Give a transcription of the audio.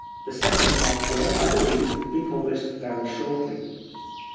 The second part will, I believe, be published very shortly.